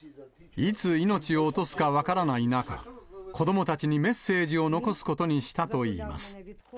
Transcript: いつ命を落とすか分からない中、子どもたちにメッセージを残すことにしたといいます。